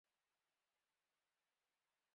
Es castigado y enviado al combate a Stalingrado.